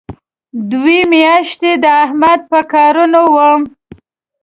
دوې میاشتې د احمد په کارونو وم.